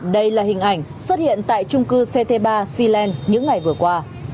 đây là hình ảnh xuất hiện tại trung cư ct ba cland những ngày vừa qua